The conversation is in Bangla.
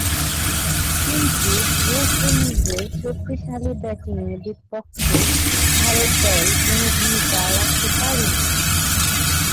কিন্তু ওয়েস্ট ইন্ডিজের শক্তিশালী ব্যাটিংয়ের বিপক্ষে ভারত দল কোন ভূমিকা রাখতে পারেনি।